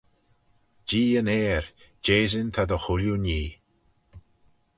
Jee yn ayr, jehsyn ta dy chooilley nhee.